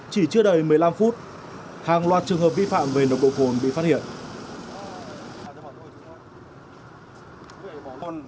chỉ chưa đầy một mươi năm phút hàng loạt trường hợp vi phạm về nồng độ cồn bị phát hiện